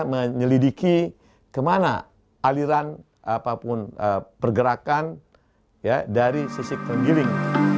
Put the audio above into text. mendidiki kemana aliran apapun pergerakan ya dari sisi terenggiling